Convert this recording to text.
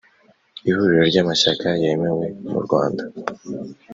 ihuriro ry'amashyaka yemewe mu rwanda.